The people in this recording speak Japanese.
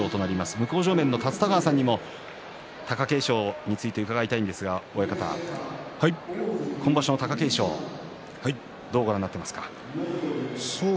向正面の立田川さんにも貴景勝について伺いたいんですが今場所の貴景勝どうご覧になっていますか？